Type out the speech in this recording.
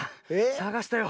さがしたよ。